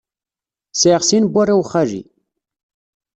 Sɛiɣ sin n warraw n xali.